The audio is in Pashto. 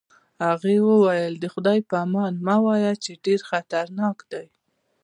هغې وویل: د خدای په امان مه وایه، چې ډېر خطرناک دی.